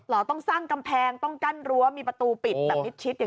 หรอต้องสร้างกำแพงต้องกั้นรั้วมีประตูปิดแบบนิดชิดอย่างงี้ไปก่อนหรอ